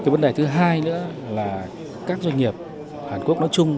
vấn đề thứ hai nữa là các doanh nghiệp hàn quốc nói chung